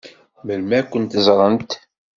Melmi ad kent-ẓṛent?